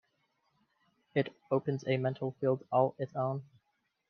It opens a mental field all its own.